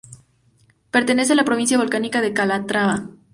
Pertenece a la Provincia Volcánica de Calatrava.